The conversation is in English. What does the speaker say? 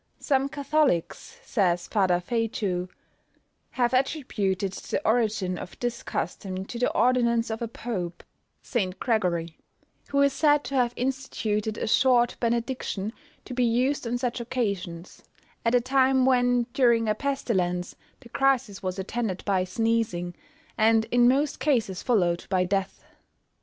"Some Catholics," says Father Feyjoo, "have attributed the origin of this custom to the ordinance of a pope, Saint Gregory, who is said to have instituted a short benediction to be used on such occasions, at a time when, during a pestilence, the crisis was attended by sneezing, and in most cases followed by death."